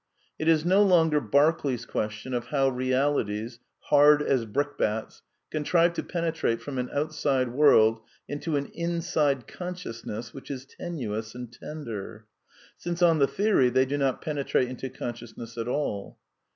It is no longer Berkeley's question of how realities, hard as brickbats, contrive to penetrate from an outside world into an inside consciousness which is tenuous and tender ; since on the theory they do not penetrate into conscious ness at all.